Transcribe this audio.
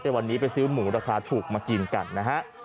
วันนี้ไปซื้อหมูราคาถูกมากินกันนะฮะ